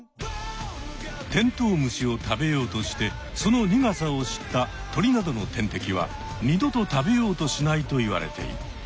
テントウムシを食べようとしてその苦さを知った鳥などの天敵は二度と食べようとしないといわれている。